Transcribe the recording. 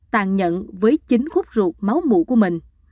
tàn nhận với chính khúc ruột máu mụ của mình